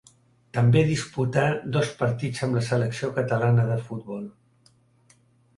També disputà dos partits amb la selecció catalana de futbol.